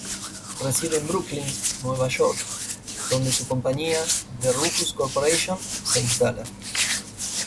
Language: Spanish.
Reside en Brooklyn, Nueva York, donde su compañía, The Rufus Corporation, se instala.